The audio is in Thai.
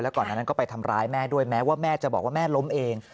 ก่อนนั้นก็ไปทำร้ายแม่ด้วยแม้ว่าแม่จะบอกว่าแม่ล้มเอง